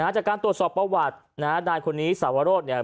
จากการตรวจสอบประวัตินะฮะนายคนนี้สาวโรธเนี่ย